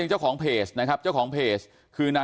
อันนี้มันต้องมีเครื่องชีพในกรณีที่มันเกิดเหตุวิกฤตจริงเนี่ย